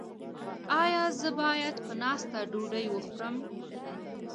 ایا زه باید په ناسته ډوډۍ وخورم؟